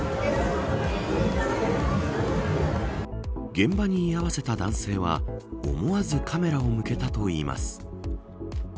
現場に居合わせた男性は思わずカメラを向けたといいます。